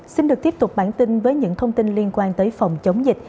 xin được tiếp tục bản tin với những thông tin liên quan tới phòng chống dịch